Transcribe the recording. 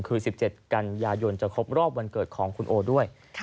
คือ๑๗กันยายนจะครบรอบวันเกิดของคุณโอด้วย